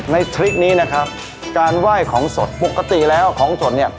ทริคนี้นะครับการไหว้ของสดปกติแล้วของสดเนี่ย